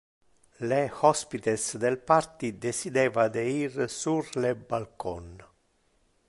Le hospites del party decideva de ir sur le balcon.